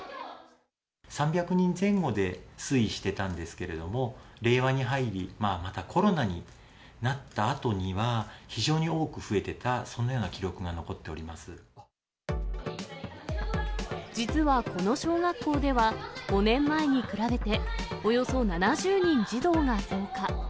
３００人前後で推移してたんですけれども、令和に入り、またコロナになったあとには非常に多く増えてった、実はこの小学校では、５年前に比べておよそ７０人児童が増加。